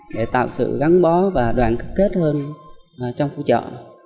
để tạo sự gắn bó và đoàn kết hơn trong khu chợ